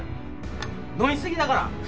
飲み過ぎだから。